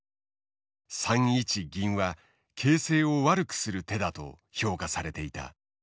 ３一銀は形勢を悪くする手だと評価されていた。